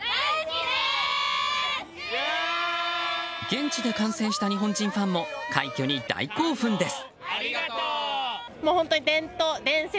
現地で観戦した日本人ファンも快挙に大興奮です。